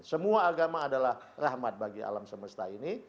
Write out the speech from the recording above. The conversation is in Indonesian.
semua agama adalah rahmat bagi alam semesta ini